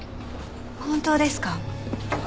本当ですか？